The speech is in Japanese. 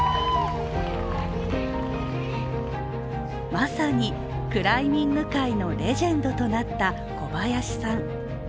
まさにクライミング界のレジェンドとなった小林さん。